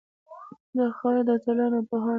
دا خاوره د اتلانو او پوهانو وه